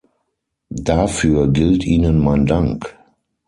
Dafür gilt ihnen mein Dank.